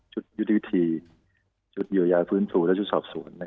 ชุดยุทิวิธีชุดเยียวยายฟื้นภูและชุดสอบศูนย์